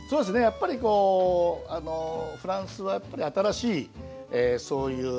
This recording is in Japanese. やっぱりこうフランスはやっぱり新しいそういう何つうの？